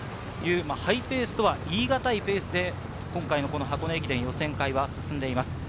ハイペースとは言い難いペースで今回の箱根駅伝予選会が進んでいます。